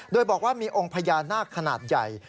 โดยบอกว่ามีองค์พญานาคขนาดใหญ่